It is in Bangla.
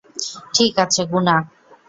ঠিক আছে, গুনা।